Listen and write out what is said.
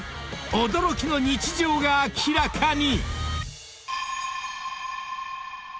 驚きの日常が明らかに！］